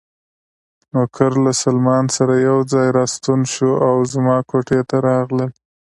نوکر له سلمان سره یو ځای راستون شو او زما کوټې ته راغلل.